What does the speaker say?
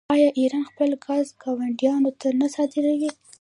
آیا ایران خپل ګاز ګاونډیانو ته نه صادروي؟